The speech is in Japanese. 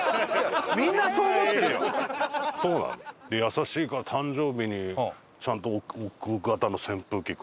優しいから誕生日にちゃんと置く型の扇風機くれたり。